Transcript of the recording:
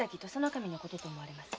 守のことと思われます。